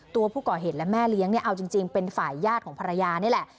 ตัวผู้ก่อเหตุและแม่เลี้ยงเนี่ยเอาจริงเป็นฝ่ายญาติของภรรยานี่แหละ